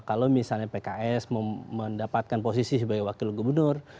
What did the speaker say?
kalau misalnya pks mendapatkan posisi sebagai wakil gubernur